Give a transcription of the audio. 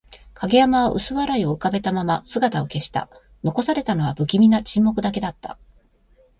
影山は薄笑いを浮かべたまま姿を消した。残されたのは、不気味な沈黙だけだった。